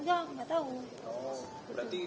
ada pelaku yang tiba tiba tahu rumah fina gitu